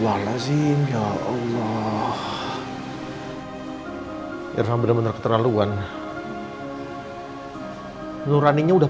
waalaikumsalam warahmatullahi wabarakatuh